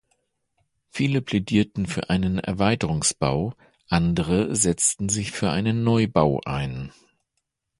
Viele plädierten für einen Erweiterungsbau, andere setzten sich für einen Neubau ein.